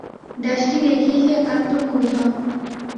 দেশটি দেখে সে একান্ত মুগ্ধ।